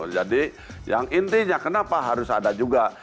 jadi yang intinya kenapa harus ada juga